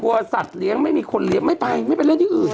กลัวสัตว์เลี้ยงไม่มีคนเลี้ยงไม่ไปไม่ไปเลี้ยงที่อื่น